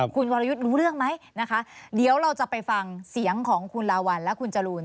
คุณวรยุทธ์รู้เรื่องไหมนะคะเดี๋ยวเราจะไปฟังเสียงของคุณลาวัลและคุณจรูน